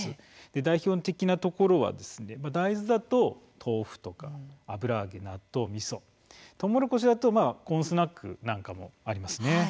代表的なところでは大豆だと豆腐、油揚げ、納豆、みそとうもろこしだとコーンスナックなんかもあります。